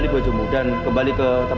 tidak berarti ini berkualitas